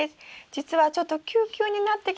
じつはちょっとキュウキュウになってきたので。